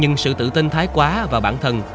nhưng sự tự tin thái quá và bản thân